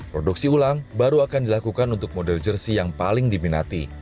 produksi ulang baru akan dilakukan untuk model jersi yang paling diminati